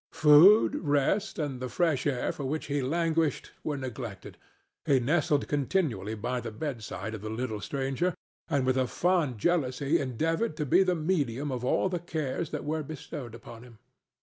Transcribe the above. Food, rest and the fresh air for which he languished were neglected; he nestled continually by the bedside of the little stranger and with a fond jealousy endeavored to be the medium of all the cares that were bestowed upon him.